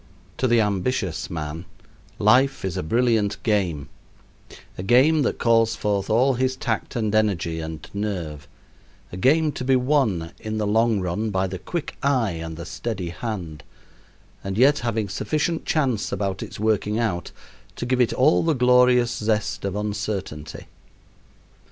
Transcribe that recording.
To the ambitious man life is a brilliant game a game that calls forth all his tact and energy and nerve a game to be won, in the long run, by the quick eye and the steady hand, and yet having sufficient chance about its working out to give it all the glorious zest of uncertainty.